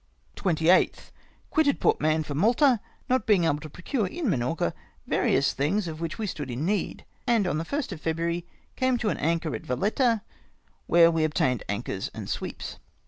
"28. — Quitted Port Mahon for Malta, not being able to procure at Minorca various things of which we stood in need ; and on the 1st of February, came to an anchor at Valetta, where we obtained anchors and sweeps."